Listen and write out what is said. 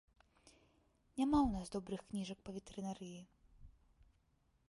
Няма ў нас добрых кніжак па ветэрынарыі.